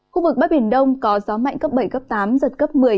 khu vực bắc biển đông có gió mạnh cấp bảy tám sợi trên cấp một mươi